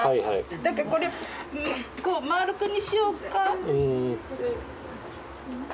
だからこれ丸くにしようか。